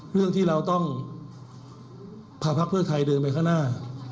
เรื่องที่เราต้องพาพักเพื่อไทยเดินไปข้างหน้า